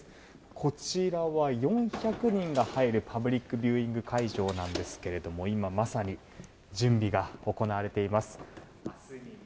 こちらは４００人が入るパブリックビューイング会場なんですけど今まさに準備が行われています。